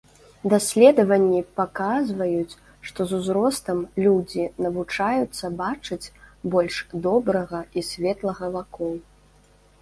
Даследаванні паказваюць, што з узростам людзі навучаюцца бачыць больш добрага і светлага вакол.